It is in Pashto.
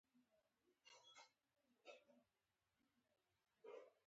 د حاصل د خرابېدو مخنیوي لپاره باید معیاري ذخیره موجوده وي.